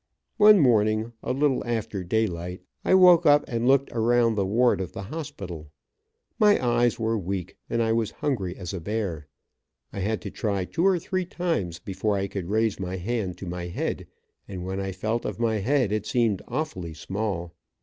One morning, a little after daylight, I woke up and looked around the ward of the hospital. My eyes were weak, and I was hungry as a bear. I had to try two or three times before I could raise my hand to my head, and when I felt of my head it seemed awfully small.